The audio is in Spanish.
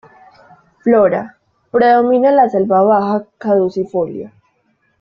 Flora: predomina la selva baja caducifolia.